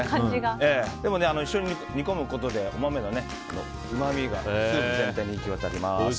一緒に煮込むことでお豆のうまみがスープ全体に行き渡ります。